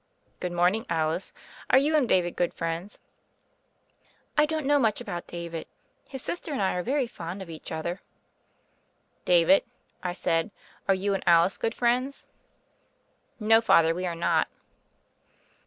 "Good morning, Alice. Are you and David good friends?" "I don't know much about David. His sis ter and I are very fond of each other." "David," I said, "are you and Alice good friends?" "No, Father, we are not."